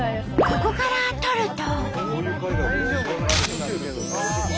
ここから撮ると。